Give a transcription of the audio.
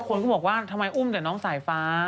คนก็บอกว่าทำไมอุ้มสายฟ้า